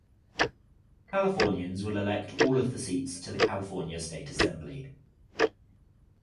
Californians will elect all of the seats to the California State Assembly.